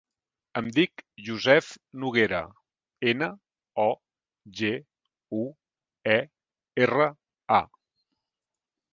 Em dic Yousef Noguera: ena, o, ge, u, e, erra, a.